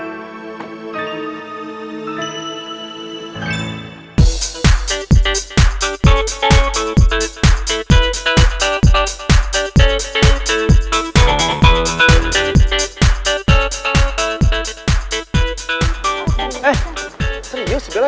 iya katanya sih gitu